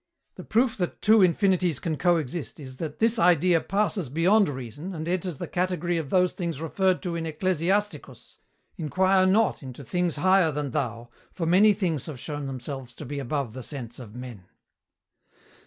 The proof that two infinities can coexist is that this idea passes beyond reason and enters the category of those things referred to in Ecclesiasticus: 'Inquire not into things higher than thou, for many things have shown themselves to be above the sense of men.'